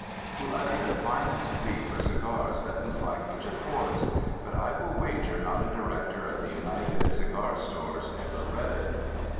who uttered the finest plea for cigars that this language affords, but I will wager not a director of the United Cigar Stores ever read it.